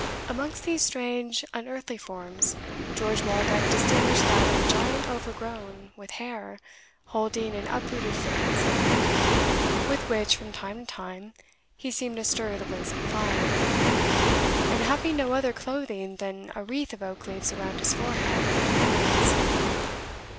Amongst these strange unearthly forms, George Waldeck distinguished that of a giant overgrown with hair, holding an uprooted fir in his hand, with which, from time to time, he seemed to stir the blazing fire, and having no other clothing than a wreath of oak leaves around his forehead and loins.